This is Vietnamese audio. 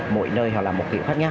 mỗi nơi họ làm một kỹ hoạt nhau